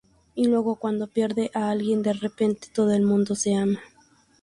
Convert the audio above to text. Y luego, cuando pierden a alguien, de repente todo el mundo se ama.